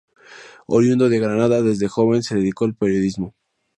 Oriundo de Granada, desde joven se dedicó al periodismo.